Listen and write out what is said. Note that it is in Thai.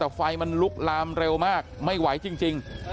แต่ไฟมันลุกลามเร็วมากไม่ไหวจริง